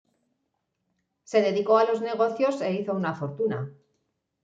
Se dedicó a los negocios e hizo una fortuna.